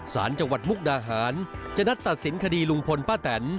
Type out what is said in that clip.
สารจังหวัดมุกดาหารจะนัดตัดสินคดีลุงพลป้าแตน